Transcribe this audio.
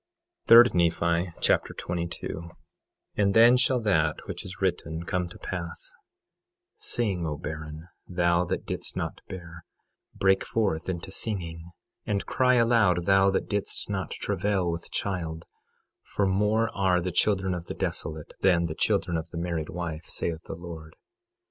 3 Nephi Chapter 22 22:1 And then shall that which is written come to pass: Sing, O barren, thou that didst not bear; break forth into singing, and cry aloud, thou that didst not travail with child; for more are the children of the desolate than the children of the married wife, saith the Lord.